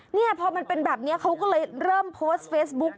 เนี่ยพอมันเป็นแบบนี้เขาก็เลยเริ่มโพสต์เฟซบุ๊ก